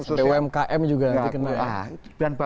sampai umkm juga nanti kena ya